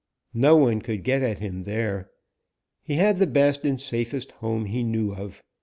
No one could get at him there. He had the best and safest home he knew of.